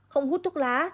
không hút thuốc lá